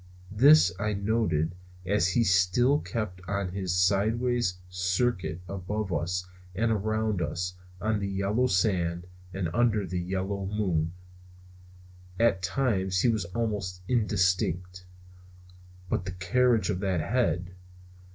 This I noted as he still kept on in his sidewise circuit above us and around us on the yellow sand and under the yellow moon. At times he was almost indistinct. But the carriage of that head!